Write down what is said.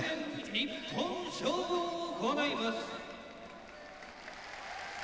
１本勝負を行います。